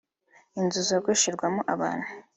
inzu zogosherwamo abantu